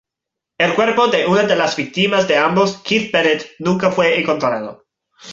El cuerpo de una de las víctimas de ambos, Keith Bennett, nunca fue encontrado.